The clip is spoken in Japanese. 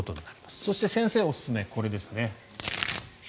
そして、先生おすすめこれですね。